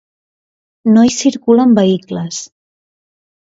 No hi circulen vehicles.